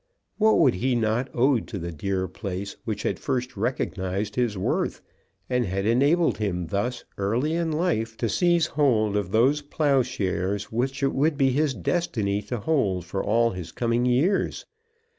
What would he not owe to the dear place which had first recognised his worth, and had enabled him thus early in life to seize hold of those ploughshares which it would be his destiny to hold for all his coming years?